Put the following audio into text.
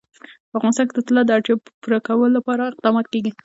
په افغانستان کې د طلا د اړتیاوو پوره کولو لپاره اقدامات کېږي.